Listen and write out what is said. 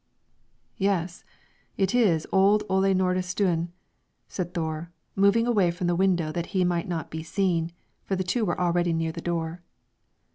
"Yes, it is old Ole Nordistuen," said Thore, moving away from the window that he might not be seen; for the two were already near the door.